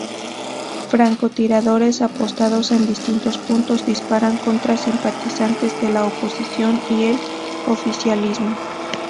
Francotiradores apostados en distintos puntos disparan contra simpatizantes de la oposición y el oficialismo.